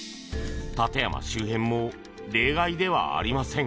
館山周辺も例外ではありません。